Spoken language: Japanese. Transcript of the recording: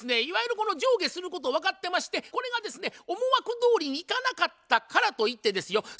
いわゆるこの上下すること分かってましてこれがですね思惑どおりにいかなかったからといってですよ